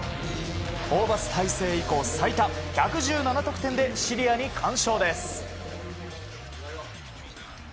ホーバス体制以降最多１１７得点でシリアに完勝です。